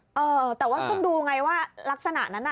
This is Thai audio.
เออแต่ว่าต้องดูไงว่ารักษณะนั้นน่ะ